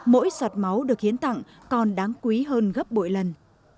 mỗi sọt máu được hiến tặng còn đáng quý hơn gấp bội lần